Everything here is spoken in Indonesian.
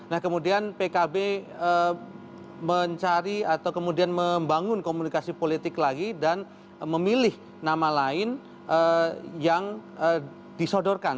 nah kemudian pkb mencari atau kemudian membangun komunikasi politik lagi dan memilih nama lain yang disodorkan